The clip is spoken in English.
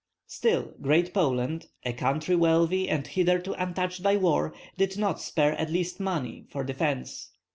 Still Great Poland, a country wealthy and hitherto untouched by war, did not spare at least money for defence.